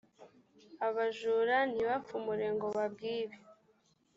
abajura ntibapfumure ngo babwibe